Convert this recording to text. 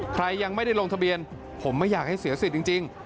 ใครยังไม่ได้ลงทะเบียนผมไม่อยากให้เสียสิทธิ์จริง